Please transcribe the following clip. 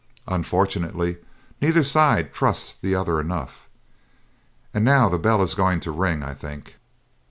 Unfortunately, neither side trusts the other enough. And now the bell is going to ring, I think.'